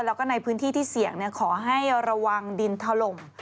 แล้วก็ในพื้นที่ที่เสี่ยงขอให้ระวังดินถล่ม